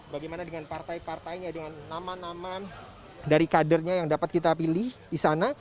bagaimana dengan partai partainya dengan nama nama dari kadernya yang dapat kita pilih di sana